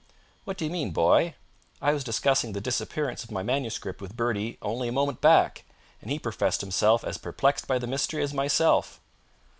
"What do you mean, boy? I was discussing the disappearance of my manuscript with Bertie only a moment back, and he professed himself as perplexed by the mystery as myself."